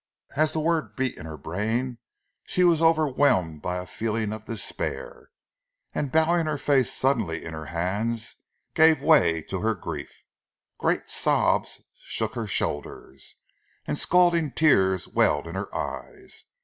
As the word beat in her brain, she was overwhelmed by a feeling of despair; and bowing her face suddenly in her hands gave way to her grief. Great sobs shook her shoulders, and scalding tears welled in her eyes.